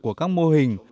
của các mô hình